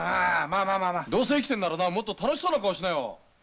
どうせ生きてんならなもっと楽しそうな顔しなよ！